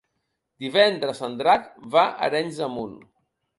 Divendres en Drac va a Arenys de Munt.